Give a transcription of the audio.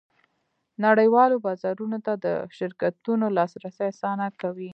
نړیوالو بازارونو ته د شرکتونو لاسرسی اسانه کوي